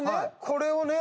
これをね